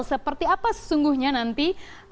seperti apa sesungguhnya nanti